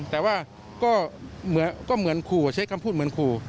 แต่ว่าก็เหมือนขู่ใช้คำพูดเหมือนขู่